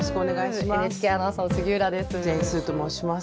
ＮＨＫアナウンサーの杉浦です。